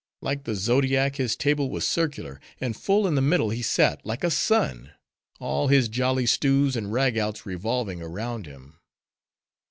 Like the Zodiac his table was circular, and full in the middle he sat, like a sun;—all his jolly stews and ragouts revolving around him."